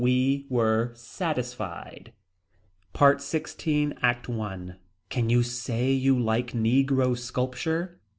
We were satisfied. PART XVI. ACT I. Can you say you like negro sculpture.